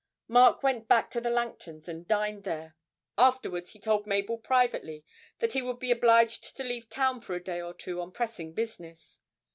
Mark went back to the Langtons and dined there. Afterwards he told Mabel privately that he would be obliged to leave town for a day or two on pressing business.